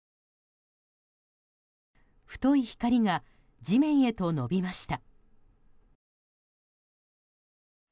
太い光が地面へと延びました。